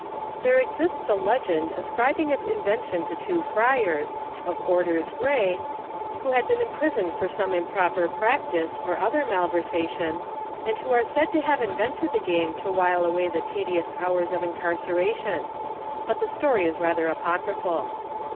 There exists a legend ascribing its inven tion to two Friars, "of orders gray," who had been imprisoned for some improper prac tice, or other malversation., and who are said to have invented the game to while away the tedious hours of incarceration ; but the story is rather apocryphal.